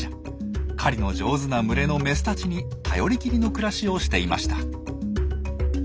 狩りの上手な群れのメスたちに頼りきりの暮らしをしていました。